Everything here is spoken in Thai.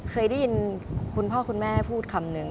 เคยได้ยินคุณพ่อคุณแม่พูดคำหนึ่ง